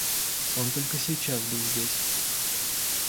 — Он только сейчас был здесь.